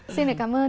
xin cảm ơn